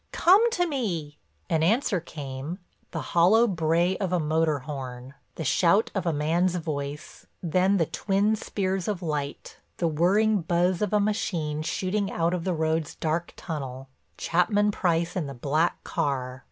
Come to me!" An answer came, the hollow bray of a motor horn, the shout of a man's voice, then the twin spears of light, the whirring buzz of a machine shooting out of the road's dark tunnel—Chapman Price in the black car.